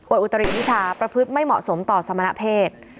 อุตริวิชาประพฤติไม่เหมาะสมต่อสมณเพศ